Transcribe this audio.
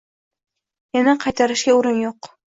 Yana qaytarishga o’rin yo’q.